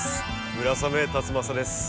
村雨辰剛です。